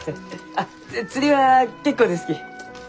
あっ釣りは結構ですき。